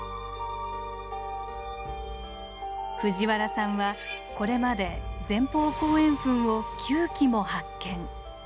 藤原さんはこれまで前方後円墳を９基も発見。